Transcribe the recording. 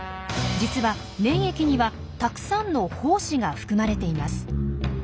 実は粘液にはたくさんの胞子が含まれています。